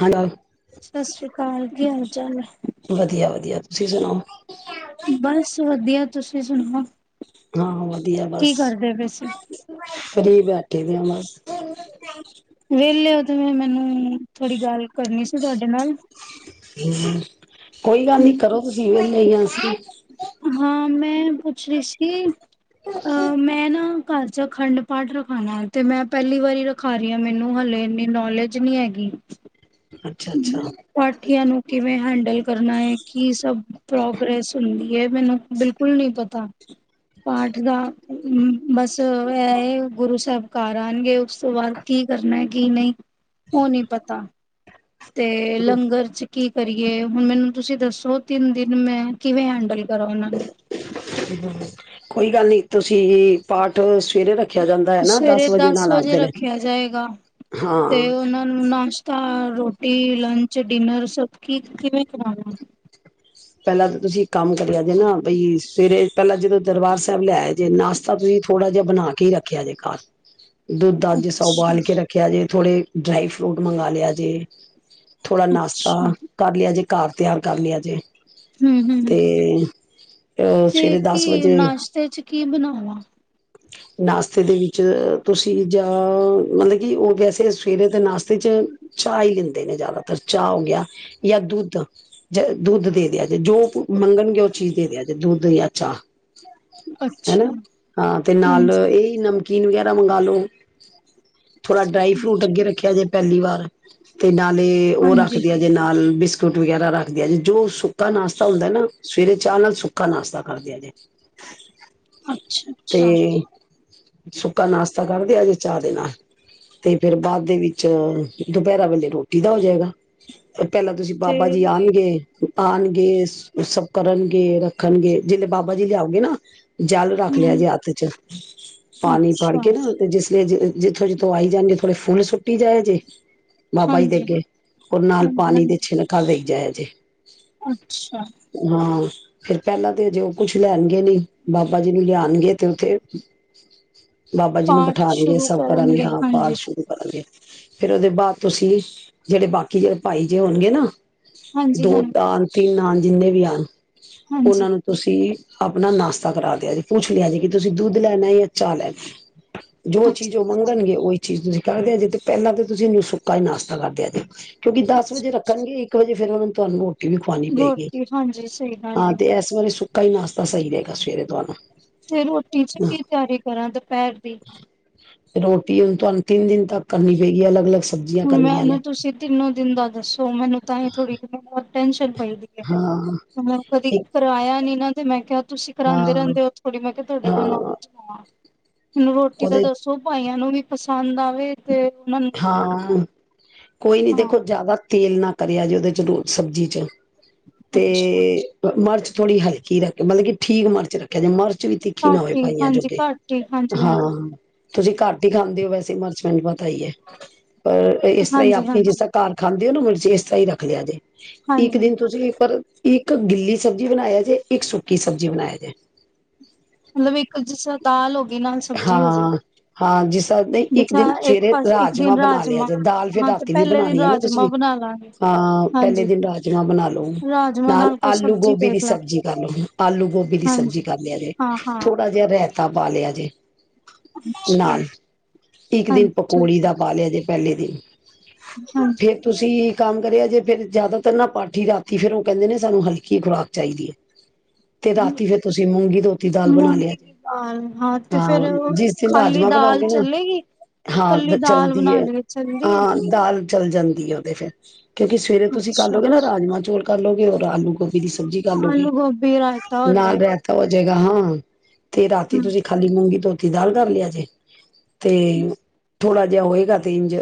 Hello ਸਤਿ ਸ੍ਰੀ ਅਕਾਲ ਕੀ ਹਾਲ ਜਾੱਲ ਵਧੀਆ ਵਧੀਆ ਤੁਸੀਂ ਸੁਣਾਓ ਬਸ ਵਧੀਆ ਤੁਸੀਂ ਸੁਣਾਓ ਹਾਂ ਹਾਂ ਦੀਆ ਬਸ ਕੀ ਕਰਦੇ ਪਏ ਸੀ ਫਰੀ ਬੈਠੇ ਦੇ ਆ ਮਸ ਵਹਲੇ ਮੈਨੂੰ ਥੋੜ੍ਹੀ ਗੱਲ ਕਰਨੀ ਸੀ ਤੁਹਾਡੇ ਨਾਲ ਹਮ ਕੋਈ ਗੱਲ ਨੀ ਕਰੋ ਤੁਸੀਂ ਨਹੀਂ ਅਸੀਂ ਹਾਂ ਮੈਂ ਪੁੱਛ ਰਹੀ ਸੀ ਅਹ ਮੈਂ ਨਾ ਘਰ ਚ ਅਖੰਡ ਪਾਠ ਰਖਾਣਾ ਹੈ ਤੇ ਮੈਂ ਪਹਿਲੀ ਵਾਰੀ ਰਖਾ ਰਹੀ ਹਾਂ ਮੈਨੂੰ ਹਲੇ ਇੰਨੀ ਨੌਲੇਜ ਨਹੀਂੀ ਹੈਗੀ ਅੱਛਾ ਅੱਛਾ ਪਠੀਆਂ ਨੂੰ ਕਿਵੇਂ ਹਾਂਜੀ ਡਲ ਕਰਨਾ ਹੈ ਕੀ ਸਭ ਪ੍ਰੋਗਰੈਸ ਹੁੰਦੀ ਹੈ ਮੈਨੂੰ ਬਿਲਕੁਲ ਨੀ ਪਤਾ ਪਾਠ ਦਾ ਬਸ ਇਹ ਗੁਰੂ ਸਾਹਿਬ ਘ ਆਉਣਗੇ ਉਸ ਤੋਂ ਬਾਅਦ ਕੀ ਕਰਨਾ ਹੈ ਕੀ ਨਹੀਂ ਉਹ ਨੀ ਪਤਾ ਤੇ ਲੰਗਰ ਚ ਕੀ ਕਰੀਏ ਹੁਣ ਮੈਨੂੰ ਤੁਸੀਂ ਦੱਸੋ ਤਿੰਨ ਦਿਨ ਮੈਂ ਕਿਵੇਂ ਹੈਂਡਲ ਕਰਾਂ ਉਹਨਾਂ ਨੂੰ ਕੋਈ ਗੱਲ ਨੀ ਤੁਸੀਂ ਪਾਠ ਸਵੇਰੇ ਰੱਖ ਸਵੇਰੇ ਦਸ ਵਜੇ ਰੱਖਿਆ ਜਾਏਗਾ ਹਾਂ ਤੇ ਉਹਨਾਂ ਨੂੰ ਨਾਸ਼ਤਾ ਰੋਟੀ ਲੰਚ ਡਿਨਰ ਸਬ ਕੀ ਕਿਵੇਂ ਕਰਾਉਣਾ ਪਹਿਲਾਂ ਤਾਂ ਤੁਸੀਂ ਇਕ ਕੰਮ- ਕਰਿਆ ਜੇ ਨਾ ਬਈ ਸਵੇਰੇ- ਪਹਿਲਾਂ ਜਦੋਂ ਦਰਬਾਰ ਸਾਹਿਬ ਲੈ ਆ ਜੇ ਨਾਸ਼ਤਾ ਤੁਸੀਂ ਥੋੜ੍ਹਾ ਜਿਹਾ ਬਣਾ ਕੇ ਹੀ ਰੱਖਿਆ ਜੇ ਘਰ- ਦੁੱਧ ਦਾ ਜਿਸ ਤਾ ਅੱਛਾ ਉਬਾਲ ਕੇ ਰੱਖਿਆ ਜੇ- ਥੋੜਾ ਡਰਾਈ ਫਰੂਟ ਮੰਗਵਾ ਲਿਆ ਜੇ- ਥੋੜਾ ਨਾਸ਼ਤਾ ਅੱਛਾ ਕਰ ਲਿਆ ਜੇ- ਘਰ ਤਿਆਰ ਕਰ ਲਿਆ ਜੇ- ਹੂੰ ਹੂੰ ਤੇ- ਅ ਤੇ ਸਵੇਰੇ ਕੀ ਦਸ ਵਜੇ ਨਾਸ਼ਤੇ ਚ ਕੀ ਬਣਾਵਾਂ- ਨਾਸ਼ਤੇ ਦੇ ਵਿੱਚ ਤੁਸੀਂ ਜਾਂ ਮਤਲਬ ਕਿ ਉਹ ਵੈਸੇ ਸਵੇਰੇ ਤੇ ਨਾਸ਼ਤੇ ਚ ਚਾਹ ਹੀ ਲੈਂਦੇ ਨੇ ਜ਼ਿਆਦਾਤਰ ਚਾਹ ਹੋ ਗਿਆ ਜਾਂ ਦੁੱਧ ਦੁੱਧ ਦੇ ਦਿਆ ਜੇ ਜੋ ਮੰਗਣਗੇ ਉਹ ਚੀਜ਼ ਦੇ ਦਿਆ ਜੇ ਦੁੱਧ ਜਾਂ ਚਾਹ- ਹਨਾ ਅੱਛਾ- ਹਾਂ ਤੇ ਨਾਲ ਹਾਂਜੀ ਇਹ ਨਾ- ਨਮਕੀਨ ਵਗੈਰਾ ਮੰਗਾਲੋ- ਥੋੜ੍ਹਾ ਡਰਾਈ ਫਰੂਟ ਅੱਗੇ ਰੱਖਿਆ ਜੇ ਪਹਿਲੀ ਵਾਰ ਤੇ ਨਾਲੇ ਉਹ ਹਾਂਜੀ ਰੱਖਦੇ ਆ ਜੇ ਨਾਲ ਬੀ- ਬਿਸਕੁਟ ਵਗੈਰਾ ਰੱਖਦੇ ਆ ਜੀ ਜੋ ਸੁੱਕਾ ਨਾਸ਼ਤਾ ਹੁੰਦਾ ਨਾ ਸਵੇਰੇ ਚਾਹਅ ਨਾਲ ਸੁੱਕਾ ਨਾਸ਼ਤਾ ਕਰਦੇ ਆ ਜੇ- ਅੱਛਾ- ਅੱਛਾ ਤੇ- ਸੁੱਕਾ ਨਾਸ਼ਤਾ ਕਰਦਿਆਂ ਜੇ ਚਾਹ ਦੇ ਨਾਲ ਤੇ ਫਿਰ ਬਾਅਦ ਦੇ ਵਿੱਚ ਦੁਪਹਿਰਾ ਵੇਲੇ ਰੋਟੀ ਦਾ ਹੋ ਜਾਏਗਾ- ਪਹਿਲਾਂ ਤੁਸੀਂ ਤੇ ਬਾਬਾ ਜੀ ਆਣਗੇ ਆਣਗੇ- ਸਭ ਕਰਨਗੇ ਰੱਖ- ਰਖਣਗੇ ਜੇ ਬਾਬਾ ਜੀ ਲਿਆਓਗੇ ਨਾ- ਜਲ ਰੱਖ ਲਿਆ ਜੇ- ਹੂੰ ਚ ਪਾਣੀ ਭੜ ਅੱਛਾ ਕੇ ਨਾ ਤੇ ਜਿਸ- ਜਿੱਥੋਂ ਜਿੱਥੋਂ ਆਈ ਜਾਣਗੇ ਥੋੜੇ ਫੁੱਲ ਸੁੱਟੀ ਜਾਯਾ ਜੇ- ਬਾਬਾ ਜੀ ਦੇ ਹਾਂਜੀ ਅੱਗੇ ਹੋਰ ਨਾਲ ਹਾਂਜੀ ਪਾਣੀ ਦੀ ਹਾਂਜੀ ਛਿਨਕ ਦੇ ਜੈ ਜੀ ਅੱਛਾ- ਪਹਿਲਾਂ ਤੇ ਜੋ ਕੁਝ ਲੈਣਗੇ ਨਹੀਂ ਬਾਬਾ ਜੀ ਨੂੰ ਲਿਆਣਗੇ- ਤੇ ਉੱਥੇ- ਬਾਬਾ ਜੀ ਨੂੰ ਪਾਠ ਬਿਠਾਉਣਗੇ ਸ਼ੁਰੂ ਸਭ ਕਰਣਗੇ ਕਰਨਗੇ ਹਾਂ ਹਾਂਜੀ ਪਾਠ ਸ਼ੁਰੂ ਕਰਣਗੇ- ਫੇਿਰ ਉਹਦੇ ਬਾਅਦ ਤੁਸੀਂ ਜਿਹੜੇ ਬਾਕੀ ਜਿਹੜੇ ਭਾਈ ਜੇ ਹੋਣਗੇ ਨਾ- ਹਾਂਜੀ ਹਾਂ ਦੋ ਤਾਨ ਤਿੰਨ ਆਣ- ਜਿੰਨੇ ਵੀ ਆਣ- ਹਾਂਜੀ ਉਹਨਾਂ ਨੂੰ ਤੁਸੀਂ ਆਪਣਾ ਨਾਸ਼ਤਾ ਕਰਾ ਦਿਆ ਜੀ ਪੁੱਛ ਲਿਆ ਜੀ ਕਿ ਤੁਸੀਂ ਦੁੱਧ ਲੈਣਾ ਜਾਂ ਚਾਅ ਲੈਣਾ ਜੋ ਅੱਛਾ ਚੀਜ਼ ਉਹ ਅੱਛਾ ਮੰਗਣਗੇ ਉਹੀ ਚੀਜ਼ ਨੂੰ ਚਦੇ ਆ ਜੀ ਤੇ ਪਹਿਲਾਂ ਤਾਂ ਤੁਸੀਂਨੂੰ ਸੁੱਕਾ ਹੀ ਨਾਸ਼ਤਾ ਕਰਦੇ ਆ ਜੀ ਕਿਉਂਕਿ ਦਸ ਵਜੇ ਰੱਖਣਗੇ ਇੱਕ ਵਜੇ ਫਿਰ ਉਹਨਾਂ ਨੂੰ ਤੁਹਾਨ ਵੀ ਖਵਾਣੀ ਪਏਗੀ ਰੋਟੀ ਹਾਂਜੀ ਸਹੀ ਗੱਲ ਹਾਂ ਹੈ ਤੇ ਇਸ ਵਾਰੇ ਸੁ ਕਈ ਨਾਸ਼ਤਾ ਸਹੀ ਰਹੇਗਾ ਸਵੇਰੇ ਤੋਂ ਆ ਨਾ ਤੇ ਰੋਟੀ ਚ ਕੀ ਤਿਆਰੀ ਕਰਾਂ ਦੁਪਹਿਰ [unintelligible] ਰੋਟੀ ਉਹ ਤੁਹਾਨੂੰ ਤਿੰਨ ਦਿਨ ਤੱਕ ਕਰਨੀ ਪਏਗੀ ਹੈ ਅਲੱਗ ਅਲੱਗ ਸਬਜ਼ੀਆਂ ਹੁਣ ਮੈਂ ਕਰਨੀਆਂ ਨੇ ਉਹਨੂੰ ਤੁਸੀਂ ਤਿੰਨੋ ਦਿੰਦਾ ਦੱਸੋ ਸੋ ਮੈਨੂੰ ਤਾਂ ਥੋੜੀ ਟੈਂਨਸ਼ਨ ਦੀ ਹੈ ਹਾਂ ਹ ਕਦੇ ਇੱਕ ਕਿਰਾਇਆ ਨੀ ਨਾ ਤੇ ਮੈਂ ਕਿਹਾ ਤੁਸੀਂ ਕਰਾਉਂਦੇ ਹਾਂ ਰਹਿੰਦੇ ਹੋ ਥੋੜੀ ਮੈਂ ਤੁਹਾਡੇ ਕੋਲ ਹਾਂ ਨੌਲੇਜਵਾਂ ਮੈਨੂੰ ਰੋਟੀ ਤਾਂ ਉਹਦੇ ਦੱਸੋ ਪਾਈਆਂ ਨੂੰ ਵੀ ਪਸੰਦ ਆਵੇ ਤੇ ਉਹਨਾਂ ਨੂੰ ਲੱਗੇ ਨਾ ਹਾਂ ਕੋਈ ਨੀ ਹਾਂ ਦੇਖੋ ਜ਼ਿਆਦਾ ਤੇਲ ਨਾ ਕਰਿਆ ਜੇ ਉਹਦੇ ਚ ਸਬਜ਼ੀ ਚ ਤੇ ਅੱਛਾ ਮਰਚ ਥੋੜੀਲਕੀੱਖ ਮਤਲਬ ਠੀਕ ਮਰਚੱਖ ਜਾੇ ਮਰਚ ਵੀ ਤਿੱਖੀ ਨਾ ਘੱਟ ਹੋਵੇ ਹੀ ਪਾਈਆਂ ਹਾਂਜੀ ਜੋਗੇ ਘੱਟ ਹੀ ਹਾਂਜੀ ਹਾਂਜੀ ਹਾਂ ਤੁਸੀਂ ਘਰਟ ਹੀ ਖਾਂਦੇ ਹੋ ਵੈਸੇ ਮਰਚ ਪਿੰਟ ਪਤਾਈ ਹੈ [unintelligible] ਪਰ ਇਸ ਤਰ੍ਹਾਂ ਹੀ ਹਾਂਜੀ ਆਪਣੀ ਜਿਸ ਹਾਂਜੀ ਤ ਕਾਰਖਾਨਾ ਨੂੰਚੇ ਇਸ ਤ ਹੀ ਰੱਖ ਲਿਆ ਜੇ ਇੱਕ ਹਾਂਜੀ ਦਿਨ ਤੁਸੀਂ ਪਰ ਇੱਕ ਗਿੱਲੀ ਸਬਜ਼ੀ ਬਣਾਇਆ ਜੇ ਇੱਕ ਸੁੱਕੀ ਸਬਜ਼ੀ ਬਣਾਇਆ ਜੇ ਮਤਲਬ ਇੱਕ ਜਿਸਤਾਲ ਹੋਵੇ ਹਾਂ-ਹਾਂ ਜਿਸ ਤ ਨਹੀਂ ਇੱਕ ਜੈਸਾ ਦਿਨ ਇੱਕ ਸਵੇਰੇ ਪਾਸ ਇੱਕ ਰਾਜਮਾਂ ਦਿਨ ਬਣਾ ਲਿਆ ਰਾਜਮਾਂ ਜੇ, ਦਾਲ ਫੇਰ ਹਾਂ ਤੇ ਰਾਤੀ ਵੀ ਪਹਿਲੇ ਦਿਨ ਬਣਾਉਣੀ ਹੈ ਨਾ ਰਾਜਮਾਂ ਤੁਸੀਂ, ਬਣਾ ਲਾਂਗੇ ਹਾਂ ਪਹਿਲੇ ਹਾਂਜੀ ਦਿਨ ਰਾਜਮਾਂ ਬਣਾ ਲਓ, ਰਾਜਮਾਂ ਨਾਲ ਕੋਈ ਆਲੂ ਸਬਜ਼ੀ ਗੋਭੀ ਦੀ ਦੇਖ ਲਾਂਗੇ ਸਬਜ਼ੀ ਕਰ ਲੋਹੁ, ਆਲੂ ਗੋਭੀ ਦੀ ਹਾਂਜੀ ਸਬਜ਼ੀ ਕਰ ਲਿਆ ਜੇ ਹਾਂ ਹਾਂ ਥੋੜਾ ਜਿਹਾ ਰਹਿ ਤਾ ਪਾ ਲਿਆ ਜੇ। ਅੱਛਾ ਨਾਲ ਇੱਕ ਦਿਨ ਹਾਂਜੀ ਠੀਕ ਪਕੌੜੀ ਦਾ ਹੈ ਪਾ ਲਿਆ ਜੇ। ਪਹਿਲੇ ਦੀ ਫੇਰ ਹਾਂਜੀ ਤੁਸੀਂ ਕੰਮ ਕਰਿਆ ਜੇ ਫੇਰ ਜ਼ਿਆਦਾਤਰ ਨਾ ਪਾਠੀ ਰਾਤੀ ਫਿਰ ਉਹ ਕਹਿੰਦੇ ਨੇ ਸਾਨੂੰ ਹਲਕੀ ਖੁਰਾਕ ਚਾਹੀਦੀ ਹੈ। ਤੇ ਰਾਤੀ ਫਿਰ ਤੁਸੀਂ ਮੂੰਗੀ ਧੋਤੀ ਦਾਲ ਬਣਾ ਲਿਆ ਮੂੰਗੀ ਜੇ। ਦੀ ਦਾਲ ਹਾਂ ਤੇ ਫੇਰ ਹਾਂ ਜਿਸ ਦਿਨ ਖਾਲੀ ਰਾਜਮਾਂ ਦਾਲ ਬਣਾਓਗੇ ਨਾ ਚੱਲੇਗੀ? ਕੱਲੀ ਹਾਂ ਦਾਲ ਬਣਾ ਲਵੇ, ਚੱਲਦੀ ਏ? ਚੱਲ-ਚੱਲ ਜਾਂਦੀ ਏ ਉਹਦੇ ਫੇਰ। ਕਿਉਂਕਿ ਸਵੇਰੇ ਤੁਸੀਂ ਕਰ ਅੱਛਾ ਲਓਗੇ ਨਾ ਰਾਜਮਾਂ ਚੋਲ। ਕਰ ਲੋਗੇ, ਹੋਰ ਆਲੂ ਗੋ ਦੀ ਸਬਜ਼ੀ ਕਰਓਗੇ, ਆਲੂ ਗੋਭੀ ਰਾਇਤਾ ਹੋ ਨਾਲ ਜਾਏਗਾ ਰਹਿਤਾ ਹੋ ਜਾਏਗਾ ਹਾਂ। ਹਾਂ। ਤੇ ਰਾਤੀ ਹਮ ਤੁਸੀਂ ਤੇ ਮੂੰਗੀ ਧੋਤੀ ਦਾਲ ਧਰ ਲਿਆ ਜੇ, ਤੇ ਥੋੜਾ ਜਿਹਾ ਹੋਏਗਾ ਤੇ ਇੰਝ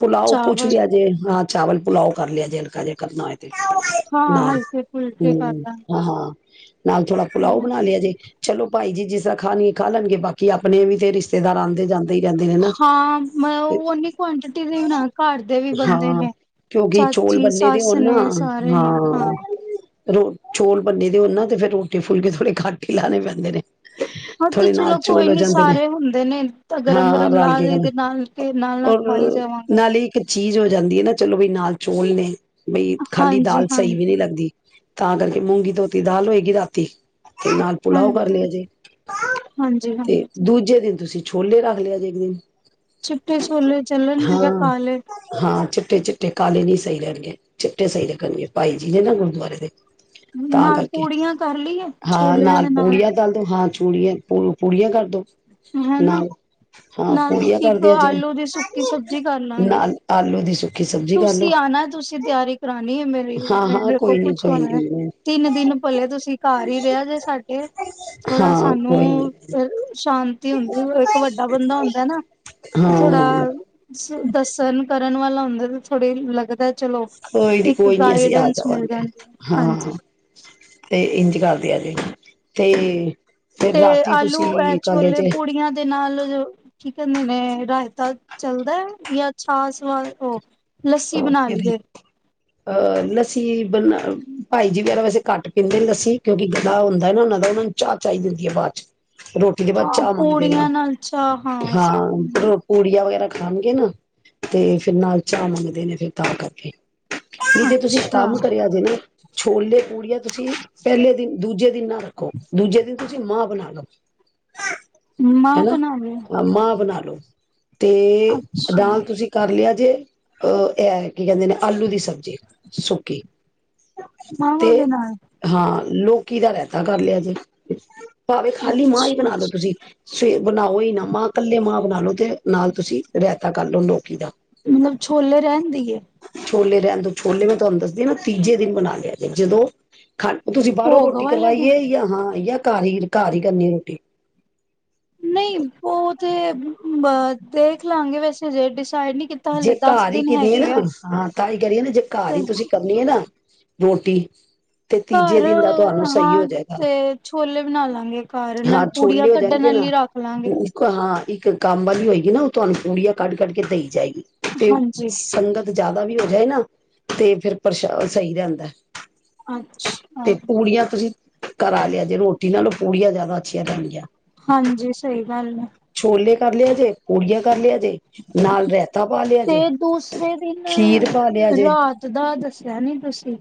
ਪੁੁਲਾਓ ਪੁੱਛ ਚਾਵਲ ਲਿਆ ਜੇ, ਹਾਂ। ਚਾਵਲ ਪੁੁਲਾਓ ਕਰ ਲਿਆ ਜੇ ਹਲਕਾ ਜੇ ਕਰਨਾ ਹੋਏ। ਹਾਂ ਨਾਲ, ਹਲਕੇ ਫੁਲਕੇ ਕਰ ਹਮ ਹਾਂ। ਨਾਲ ਥੋੜਾ ਪੁੁਲਾਓ ਲਾਂਗੇ ਬਣਾ ਲਿਆ ਜੇ। ਚਲੋ ਭਾਈ ਜੀ ਜਿਸ ਅਖਾਣੀ ਖਾ ਲੈਣਗੇ, ਬਾਕੀ ਆਪਣੇ ਵੀ ਤੇ ਰਿਸ਼ਤੇਦਾਰ ਆਉਂਦੇ ਜਾਂਦੇ। ਹੀ ਰਹਿੰਦੇ ਨੇ ਨਾ ਹਾਂ ਮ ਉਹ ਓਨੀ ਕੁਆਂਟਿਟੀ ਦੇਣਾ ਘਰ ਦੇ ਵੀ ਬੰਦੇ ਹਾਂ ਨੇ, ਕਿਉਂਕਿ ਚੌਲ ਚਾਚੀ ਬੰਨੇ ਦੇ ਸੱਸ ਹੋਣ ਨਾ ਨੇ, ਸਾਰੇ ਨੇ ਹਾਂ। ਰੋ ਚੋਲ ਬੰਨੇ ਦੇ ਹੋਣ ਨਾ, ਤੇ ਫੇਰ ਰੋਟੀ ਫੁਲਕੇ ਥੋੜੇ ਕਟ ਹੀ ਲਾਣੇ ਪੈਂਦੇ ਨੇ। ਹਾਂ ਤੇ ਥੋੜੇ ਚਲੋ ਨਾਲ ਕੋਈ ਚੋਲ ਹੋ ਨੀ ਜਾਂਦੇ ਨੇ ਸਾਰੇ ਹੁੰਦੇ ਨੇ, ਤਾਂ ਹਾਂ ਗਰਮ-ਗਰਮ ਰਲ ਲਾ ਕੇ ਲਈ ਗੱਲ ਦੇ ਨਾਲ ਕੇ ਨਾਲ-ਨਾਲ ਔਰ ਖਵਾਈ ਜਾਵਾਂਗੇ। ਨਾਲੇ ਇੱਕ ਚੀਜ਼ ਹੋ ਜਾਂਦੀ ਹੈ ਨਾ ਚਲੋ ਬਈ ਨਾਲ ਚੋਲ ਨੇ। ਬਈ ਖਾਲੀ ਹਾਂਜੀ ਦਾਲ ਸਹੀ ਵੀ ਹਾਂਜੀ ਨਹੀਂ ਲੱਗਦੀ। ਤਾਂ ਕਰਕੇ ਮੂੰਗੀ ਧੋਤੀ ਦਾਲ ਹੋਏ ਗੀ ਰਾਤੀ। ਤੇ ਨਾਲ ਹਾਂ ਪੁੁਲਾਓ ਕਰ ਲਿਆ ਜੇ। ਹਾਂਜੀ ਤੇ ਹਾਂਜੀ ਦੂਜੇ ਦਿਨ ਤੁਸੀਂ ਛ ਛੋਲੇ ਰੱਖ ਲਿਆ ਜੇ ਇੱਕ ਦਿਨ। ਚਿਟੇ ਛੋਲੇ ਚੱਲਣਗੇ ਯਾ ਕਾਲੇ? ਚਿੱਟੇ-ਚਿੱਟੇ ਕਾਲੇ ਨੀ ਸਹੀ ਰਹਿਣਗੇ ਚਿੱਟੇ ਸਹੀ ਲੱਗਣਗੇ ਭਾਈ ਜੀ ਨੇ ਨਾ ਗੁਰਦੁਆਰੇ ਦੇ। ਤਾਂ ਨਾਲ ਕਰਕੇ ਪੂੜੀਆਂ ਕਰ ਲਈਏ ਹਾਂ ਛੋਲਿਆਂ ਨਾਲ ਦੇ ਪੂੜੀਆਂ ਤਲ ਦੋ ਹਾਂ। ਪੂੜੀਆਂ ਪੂ-ਪੂੜੀਆਂ ਕਰ ਹਨਾ ਨਾਲ ਹਾਂ ਨਾਲ ਪੂੜੀਆਂ ਕਰ ਇੱਕ ਦਿਆ ਜੇ ਆਲੂ ਦੀ ਸੁੱਕੀ ਸਬਜ਼ੀ ਕਰ ਲਾਂਗੇ ਨਾਲ ਆਲੂ ਦੀ ਸੁੱਕ ਤੁਸੀਂ ਆਣਾ ਤੁਸੀਂ ਤਿਆਰੀ ਕਰਾਣੀ ਹੈ ਮੇਰ ਹਾਂ ਮ ਹਾਂ ਦੇਖੋ ਕੋਈ ਨੀ ਕੁਛ ਕੋਈ ਹੋਣਾ ਨੀ ਤਿੰਨ ਦਿਨ ਪਲੇ ਤੁਸੀਂ ਘਰ ਹੀ ਰਿਹਾ ਜੇ ਸਾਡੇ ਥੋੜਾ ਹਾਂ ਕੋਈ ਨੀ ਸਾਨੂੰ ਤੀ ਹੁੰਦੀ ਇੱਕ ਵੱਡਾ ਬੰਦਾ ਹੁੰਦਾ ਨਾ ਥੋੜਾ ਹਾਂ ਦੱਸਣ ਕਰਨ ਵਾਲਾ ਹੁੰਦਾ ਥੋੜੇ ਲੱਗਦਾ ਚਲੋ ਕੋਈ ਨੀ ਇੱਕ ਕੋਈ ਨੀ ਅਸੀਂ ਆ ਗਾਈਡੈਂਸ ਮਿਲ ਜਾਵਾਂਗੇ ਜਾਂਦੀ ਹੈ ਹਾਂਜੀ ਹਾਂ, ਤੇ ਇੰਝ ਕਰ ਦਿਆ ਜੇ ਤੇ ਫਿਰ ਤੇ ਰਾਤੀ ਆਲੂ ਇਹ ਤੁਸੀਂ ਕਾਲੇ ਛੋਲੇ ਪੂੜੀਆਂ ਦੇ ਨਾਲ ਜੋ ਕੀ ਕਹਿੰਦੇ ਨੇ ਰਾਇਤਾ ਚੱਲਦਾ ਯਾ ਛਾਸ ਵੱਲ ਉਹ ਲੱਸੀ ਬਣਾ ਜੇ ਲਈਏ। ਅਹ ਲੱਸੀ ਬਨਾ ਭਾਈ ਜੀ ਵਗੈਰਾ ਵੈਸੇ ਕਟ ਪੀਂਦੇ ਲੱਸੀ ਕਿਉਂਕਿ ਗਲਾ ਹੁੰਦਾ ਨਾ ਉਹਨਾਂ ਦਾ ਉਹਨਾਂ ਨੂੰ ਚਾਹ ਚਾਹੀ ਦਿੰਦੀ ਹੈ ਬਾਅਦ ਚ। ਰੋਟੀ ਦੇ ਬਾਅਦ ਹਾਂ ਚਾਹ ਮੰਗਦੇ ਨੇ ਪੂੜੀਆਂ ਨਾਲ ਚਾਹ ਹਾਂ ਹਾਂ ਪੂੜੀਆਂ ਵਗੈਰਾ ਖਾਣਗੇ ਨਾ ਤੇ ਫੇਰ ਨਾਲ ਚਾਹ ਮੰਗਦ ਨੇ ਫਿਰ ਤਾਂ ਕਰਕੇ। ਨਹੀਂ ਤੇ ਤੁਸੀਂ ਅੱਛਾ ਕੰਮ ਕਰਿਆ ਜੇ ਨਾ ਛੋਲੇ ਪੂੜੀਆਂ ਤੁਸੀਂ ਪਹਿਲੇ ਦਿਨ ਦੂਜੇ ਦਿਨ ਨਾ ਰੱਖੋ ਦੂਜੇ ਦਿਨ ਤੁਸੀਂ ਮਾਂ ਬਨਾ ਲੋ। ਮਾਂ ਬਨਾ ਲੋ। ਮਾਂ ਬਣਾ ਲਓ ਤੇ ਨਾਲ ਤੁਸੀਂ ਕਰ ਲਿਆ ਜੇ ਅ ਇਹ ਕੀ ਕਹਿੰਦੇ ਨੇ ਆਲੂ ਦੀ ਸਬ ਜੀ ਸੁਖੀ ਤੇ ਮਾਵਾਂ ਦੇ ਨਾਲ ਹਾਂ ਲੋਕ ਕਿਦਾ ਰਹਿਤਾ ਕਰ ਲਿਆ ਜੇ। ਭਾਵੇਂ ਖਾਲੀ ਮਾਂ ਹੀ ਅੱਛਾ ਬਣਾ ਦੋ ਤੁਸੀਂ। ਸਵੇ ਬਣਾਓ ਹੀ ਨਾ ਮਾਂ ਕੱਲੇ ਮਾਂ ਬਣਾ ਲੋ ਤੇ ਨਾਲ ਤੁਸੀਂ ਰਾਇਤਾ ਕਰਲੋ ਲੋਕੀ ਦਾ। ਮਤਲਬ ਛੋਲੇ ਰਹਿਨ ਦੇਈਏ। ਛੋਲੇ ਰਹਿਣ ਦੋ ਛੋਲੇ ਮੈਂ ਤੁਹਾਨੂੰ ਦੱਸਦੀ ਹ ਨਾ ਤੀਜੇ ਦਿਨ ਮਨਾ ਲਿਆ ਜੇ ਜਦੋਂ ਖਾ ਤੁਸੀਂ ਬਾਹਰੋਂ ਭੋਗ ਰੋਟੀ ਵਾਲੇ ਦਿਨ ਕਰਵਾਈਏ ਯਾ ਹਾਂ ਯਾ ਘਰ ਹੀ ਘਰ ਹੀ ਕਰਨੀ ਰੋਟੀ। ਨਹੀਂ ਬਹੁ ਤੇ ਬ ਦੇਖ ਲਾ ਗੇ ਵੈਸੇ ਜੇ ਡਿਸ ਜੇ ਘਰ ਹੀ ਕਿਨੀ ਆ ਨਾ ਹਾਂ। [unintelligible] ਕਰੀਏ ਨਾ ਜੇ ਘਰ ਤੇ ਹੀ ਤੁਸੀਂ ਕਰਨੀ ਹੈ ਨਾ। ਰੋਟੀ। ਤੇ ਤੀਜੇ ਘਰ ਦਿਨ ਦਾ ਤੁਹਾਨੂੰ ਸਹੀ ਹਾਂ ਹੋ ਜਾਏਗਾ ਤੇ ਛੋਲੇ ਬਣਾ ਲਾਂਗੇ ਘਰ। ਹਾਂ ਨਾਲ ਪੂੜੀਆਂ ਛੋਲੇ ਹੋ ਕੱਢਣ ਜਾਣਗੇ ਨਾ ਆਲੀ ਰੱਖ ਲਾਂਗੇ। ਇੱਕ ਹਾਂ ਇੱਕ ਕੰਮ ਵਾਲੀ ਹੋਏਗੀ ਨਾ ਉਹ ਤੁਹਾਨੂੰ ਪੂੜੀਆਂ ਕੱਢ-ਕੱਢ ਕੇ ਦੇਈ ਜਾਏਗੀ। ਤੇ ਹਾਂਜੀ ਸੰਗਤ। ਜ਼ਿਆਦਾ ਵੀ ਹੋ ਜਾਏ ਨਾ ਤੇ ਫਿਰ ਪਰਸ਼ ਸਹੀ ਰਹਿੰਦਾ। ਅੱਛਾ। ਘਰ ਲਿਆ ਜੇ ਰੋਟੀ ਨਾਲ ਪੂੜੀਆਂ ਜਿਆਦਾ ਅੱਛੀਆਂ ਰਹਿੰਦੀਆਂ। ਹਾਂਜੀ ਸਹੀ। ਵੱਲ। ਛੋਲੇ ਕਰ ਲਿਆ ਜੇ ਪੂੜੀਆਂ ਕਰ ਲਿਆ। ਜੇ ਨਾਲ ਰਾਇਤਾ ਪਾ ਲਿਆ ਤੇ ਜੇ ਦੂਸਰੇ ਦਿਨ ਖੀਰ ਪਾ ਲਿਆ ਜੇ ਰਾਤ ਦਾ ਦੱਸਿਆ ਨੀ ਤੁਸੀਂ।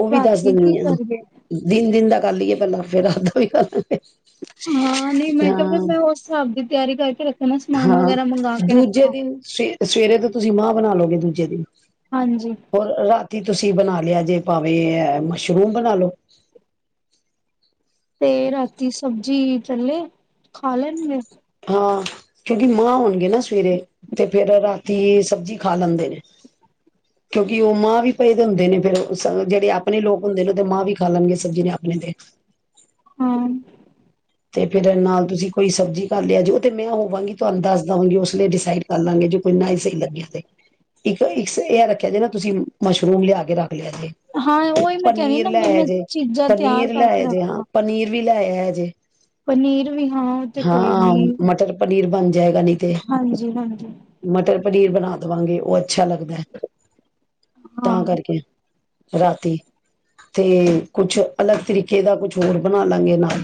ਉਹ ਵੀ ਦੱਸ ਰਾਤੀ ਕੀ ਦਿੰਦੀ ਆ। ਕਰੀਏ ਦਿਨ ਦਾ ਕਰ ਲਈਏ ਪਹਿਲਾਂ ਫਿਰ ਹਲ [unintelligible] ਹਾਂ ਨੀ ਮੈਂ ਕਿਹਾ ਮੈਂ ਉਸ ਹਿਸਾਬ ਦੀ ਤਿਆਰੀ ਕਰਕੇ ਰੱ। ਹਾਂ, ਦੂਜੇ ਦਿਨ ਸ਼। ਸਵੇਰੇ ਤੇ ਤੁਸੀਂ ਮਾਂਹ ਬਣਾ ਲਓਗੇ ਦੂਜੇ ਦਿਨ। ਹਾਂਜੀ। ਔਰ ਰਾਤੀ ਤੁਸੀਂ ਬਣਾ ਲਿਆ ਜੇ ਭਾਵੇਂ ਮਸ਼ਰੂਮ ਬਣਾ ਲਓ। ਤੇ ਰਾਤੀ ਸਬਜ਼ੀ ਚੱਲੇ, ਖਾ ਲੈਣਗੇ? ਹਾਂ ਕਿਉਂਕਿ ਮਾਂ ਹੋਣਗੇ ਨਾ ਸਵੇਰੇ ਤੇ ਫੇਿਰ ਰਾਤੀ ਸਬਜ਼ੀ ਖਾ ਲੈਂਦੇ ਨੇ ਕਿਉਂਕਿ ਉਹ ਮਾਂ ਵੀ ਪਏ ਦੇ ਹੁੰਦੇ ਨੇ ਫ਼ਿਰ ਜਿਹੜੇ ਆਪਣੇ ਲੋਕ ਹੁੰਦੇ ਨੇ ਉਹਦੇ ਮਾਂ ਵੀ ਖਾ ਲੈਣਗੇ ਸਬਜ਼ੀ ਨੇ ਆਪਣੇ ਤੇ। ਹਾਂ। ਤੇ ਫੇਿਰ ਨਾਲ ਤੁਸੀਂ ਕੋਈ ਸਬਜ਼ੀ ਕਰ ਲਿਆ ਜੇ ਉਹ ਤੇ ਮੈਂ ਹੋਵਾਂਗੀ ਤੁਹਾਨੂੰ ਦੱਸ ਦਵਾਂਗੀ ਉਸ ਲਈ ਡਿਸਾਈਡ ਕਰ ਲਾਂਗੇ ਜੋੇ ਕੋਈ ਨਾ ਹੀ ਸਹੀ ਲੱਗਿਆ ਤੇ ਇੱਕ ਇੱਕ ਇਹ ਰੱਖਿਆ ਜੇ ਨਾ ਤੁਸੀਂ ਮਸ਼ਰੂਮ ਲਿਆ ਕੇ ਰੱਖ ਲਿਆ ਜੇ ਹਾਂ ਉਹੀ ਮੈਂ ਕਹਿ ਰਹੀ ਪਨੀਰ ਨਾ ਬ ਲੈ ਮੈਂ ਜੇ ਚੀਜ਼ਾਂ ਤਿਆਰ ਪਨੀਰ ਕਰਕੇ ਲੈ ਜੇ ਹਾਂ ਰੱਖਾਂ ਪਨੀਰ। ਵੀ ਲੈ ਆ ਜੇ ਪਨੀਰ ਵੀ ਹਾਂ ਤੇ ਕੋਈ ਹਾਂ ਨੀ। ਮਟਰ ਪਨੀਰ ਬਣ। ਜਾਏਗਾ ਨੀ ਤੇ ਹਾਂਜੀ ਹਾਂਜੀ ਮਟਰ ਪਨੀਰ ਬਣਾ ਦੇਵਾਂਗੇ ਉਹ। ਅੱਛਾ ਲੱਗਦਾ ਹੈ। ਹਾਂ ਤਾਂ ਕਰਕੇ। ਰਾਤੀ ਤੇ ਕੁਛ ਅਲੱਗ ਤਰੀਕੇ ਦਾ ਕੁਛ ਹੋਰ ਬਣਾ ਲਾਂਗੇ ਨਾਲ।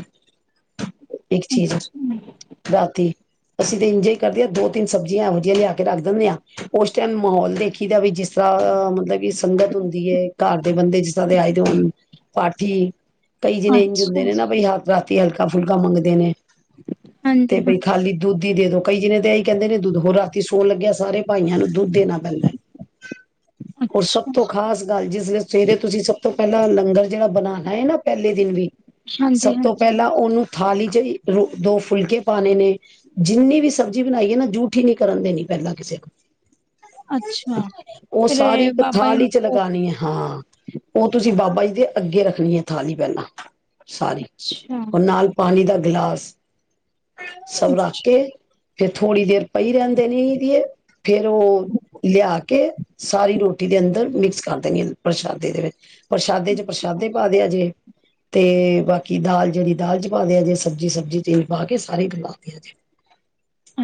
ਇੱਕ ਚੀਜ਼ ਅੱਛਾ ਰਾਤੀ। ਅਸੀਂ ਤਾਂ ਇੰਜੋਏ ਕਰਦੇ ਹਾਂ ਦੋ ਤਿੰਨ ਸਬਜ਼ੀਆਂ ਇਹੋ ਜਿਹੀਆਂ ਲਿਆ ਕੇ ਰੱਖ ਦਿੰਦੇ ਹਾਂ ਉਸ ਟਾਈਮ ਮਾਹੌਲ ਦੇਖੀ ਦਾ ਵੀ ਜਿਸ ਤਰ੍ਹਾਂ ਮਤਲਬ ਕਿ ਸੰਗਤ ਹੁੰਦੀ ਹੈ ਘਰ ਦੇ ਬੰਦੇ ਜਿਸ ਤਰ੍ਹਾਂ ਦੇ ਆਏ ਦੇ ਹੋਣ ਪਾਠੀ। ਕਈ ਜਿਣੇ ਇੰਝ ਹੁੰਦੇ ਅੱਛਾ ਨੇ ਨਾ ਬ ਹ ਰਾ ਹਲਕਾ, ਫੁਲਕਾ ਮੰਗਦੇ ਨੇ। ਤੇ ਹਾਂਜੀ ਹਾਂ ਬਈ ਖਾਲੀ ਦੁੱਧ ਹੀ ਦੇ ਦੋ। ਕਈ ਜਣੇ ਤੇ ਇਹੀ ਕਹਿੰਦੇ ਨੇ ਦੁੱਧ ਹੋਰ ਰਾਤੀ ਸੋਣ ਲੱਗਿਆ ਸਾਰੇ ਭਾਈਆਂ ਨੂੰ ਦੁੱਧ ਦੇਣਾ ਪੈਂਦਾ। ਹੋਰ ਸਭ ਅੱਛਾ ਤੋਂ ਖ਼ਾਸ ਗੱਲ ਜਿਸ ਵਿੱਚ ਸਵੇਰੇ ਤੁਸੀਂ ਸਭ ਤੋਂ ਪਹਿਲਾਂ ਲੰਗਰ ਜਿਹੜਾ ਬਣਾ ਲਣਾ ਹੈ ਨਾ ਪਹਿਲੇ ਦਿਨ ਹਾਂਜੀ ਵੀ--ਸਭ ਤੋਂ ਹਾਂਜੀ ਪਹਿਲਾਂ ਉਹਨੂੰ ਥਾਲੀ ਚ ਰੋ ਦੋ ਫੁਲਕੇ ਪਾਉਣੇ ਨੇ ਜਿੰਨੀ ਵੀ ਸਬਜ਼ੀ ਬਣਾਈਏ ਨਾ ਜੂਠੀ ਨਹੀਂੀ ਕਰਨ ਦੇਣੀ ਪਹਿਲਾਂ ਕਿਸੇ ਨੂੰ। ਅੱਛਾ ਉਹ ਫਿਰ ਸਾਰੀ ਇੱਕ ਬਾਬਾ ਜੀ ਥਾਲੀ ਨੂੰ ਚ ਭੋਗ ਲਗਉਣੀ ਹੈ ਲਗਾਣਾ ਹਾਂ। ਉਹ ਤੁਸੀਂ ਬਾਬਾ ਜੀ ਦੇ ਅੱਗੇ ਰੱਖਣੀ ਹੈ ਥਾਲੀ ਪਹਿਲਾਂ। ਸਾਰੀ। ਹੁਣ ਨਾਲ ਪਾਣੀ ਦਾ ਗਲਾਸ। ਅੱਛਾ ਸਵਰਾਕੇ ਕੇ। ਫੇਰ ਥੋੜ੍ਹੀ ਦੇਰ ਪਈ ਰਹਿੰਦੇ ਨੇ ਇਹਦੀਏ ਫੇਰ ਉਹ ਲਿਆ ਕੇ ਸਾਰੀ ਰੋਟੀ ਦੇ ਅੰਦਰ ਮਿਕਸ ਕਰ ਦੇਣੀ ਪ੍ਰਸ਼ਾਦੇ ਦੇ ਵਿੱਚ ਪ੍ਰਸ਼ਾਦੇ ਚ ਅੱਛਾ ਪ੍ਰਸ਼ਾਦੇ ਪਾਦੇ ਜੇ ਤੇ ਬਾਕੀ ਕਿ ਦਾਲ ਜਿਹੜੀ ਦਾਲ ਚ ਪਾਉਂਦੇ ਆ ਜੇ ਸਬਜ਼ੀ, ਸਬਜ਼ੀ ਤੇ ਪਾ ਕੇ ਸਾਰੇ ਬਲਾਉਂਦੇ ਆ ਜੇ।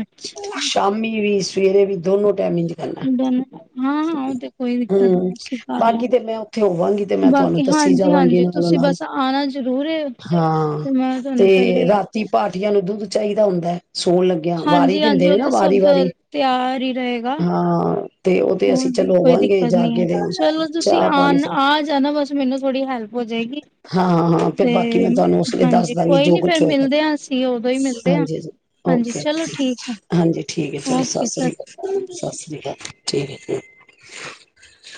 ਅੱਛਾ ਸ਼ਾਮੀ ਵੀ ਰੇ ਵੀ ਦੋਨ ਦ ਹਾਂ ਹਾਂ ਉਹ ਤੇ ਕੋਈ ਦਿੱਕਤ ਹੂੰ ਨੀ ਅਸੀਂ ਕਰ ਬਾਕੀ ਤੇ ਮੈਂ ਉੱਥੇ ਹੋਵਾਂਗੀ ਤੇ ਲਵਗੇ ਮੈਂ ਤੁਹਾਨੂੰ ਬਾਕੀ ਦੱਸੀ ਹਾਂਜੀ, ਜਾਵਾਂਗੀ ਹਾਂਜੀ ਨਾਲੋਂ ਤੁਸੀਂ ਨਾਲ ਬਸ ਆਉਣਾ ਜ਼ਰੂਰ। ਹਾਂ ਤੇ ਮੈਂ ਤੇ ਤੁਹਾਨੂੰ ਪਹਿਲੇ ਰਾਤੀ ਭਠ [unintelligible] ਸੌਣ ਲੱਗਿਆ ਵਾਰੀ ਦੇ ਹੁੰਦੇ ਹਾਂਜੀ-ਹਾਂਜੀ, ਉਹ ਨੇ ਨਾ ਤੇ ਸਭ ਵਾਰੀ ਵਾਰੀ ਤਿਆਰ ਹੀ ਰਹੇਗਾ। ਹਾਂ। ਤੇ ਉਹ ਤੇ ਅਸੀਂ ਉਹਦੀ ਚਲੋ ਕੋਈ ਹੋਵਾਂਗੇ ਦਿੱਕਤ ਜਾ ਨੀ ਹੈ ਕੇ ਤੇ ਚਲੋ ਤੁਸੀਂ ਚਾਹ ਆ ਪਾਣੀ ਸ ਆ ਜਾਣਾ ਬਸ ਮੈਨੂੰ ਥੋੜੀ ਹੈਲਪ। ਹੋ ਜਾਏਗੀ ਹਾਂ ਹਾਂ ਫਿਰ ਤੇ ਬਾਕੀ ਮੈਂ ਤੁਹਾਨੂੰ ਉਸ ਲਈ ਦੱਸ ਹਾਂਜੀ ਦਾਂਗੀ ਕੋਈ ਜੋ ਨੀ ਕੁਛ ਫੇਰ ਹੋਏ ਕਰ ਮਿਲਦੇ ਹਾਂ ਅਸੀਂ ਉਦੋਂ ਹੀ ਮਿਲਦੇ ਹਾਂ ਹਾਂਜੀ ਹਾਂਜੀ ਓਕੇ ਚਲੋ ਠੀਕ ਹੈ ਹਾਂਜੀ ਠੀਕ ਹੈ। ਚਲੋ ਸਤ ਓਕੇ ਸ੍ਰੀ ਸਤਿ ਸ਼੍ਰੀ ਅਕਾਲ। ਸਤਿ ਸ੍ਰੀ ਅਕਾਲ। ਠੀਕ